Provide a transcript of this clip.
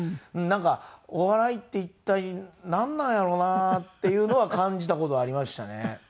なんかお笑いって一体なんなんやろな？っていうのは感じた事ありましたね。